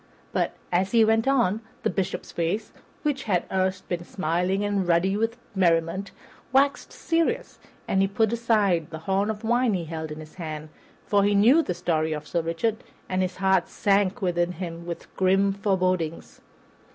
But, as he went on, the Bishop's face, that had erst been smiling and ruddy with merriment, waxed serious, and he put aside the horn of wine he held in his hand, for he knew the story of Sir Richard, and his heart sank within him with grim forebodings.